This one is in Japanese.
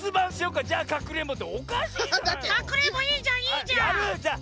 かくれんぼいいじゃんいいじゃん！